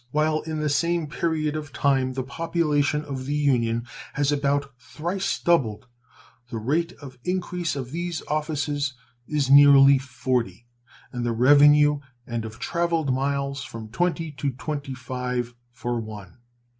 While in the same period of time the population of the Union has about thrice doubled, the rate of increase of these offices is nearly 40, and of the revenue and of traveled miles from 20 to 25 for one.